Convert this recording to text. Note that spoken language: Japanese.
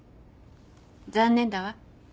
残念だわ